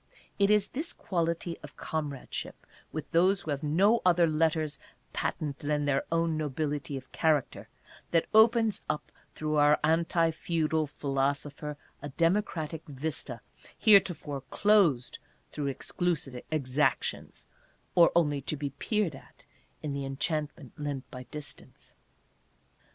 It is this quality of comradeship with those who have no other letters patent than their own nobility of character that opens up through our anti feudal philosopher a Democratic Vista heretofore closed through exclusive exactions, or only to be peered at, in the en chantment lent by distance.